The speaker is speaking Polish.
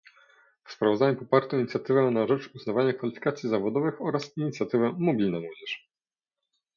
W sprawozdaniu poparto inicjatywę na rzecz uznawania kwalifikacji zawodowych oraz inicjatywę "Mobilna młodzież"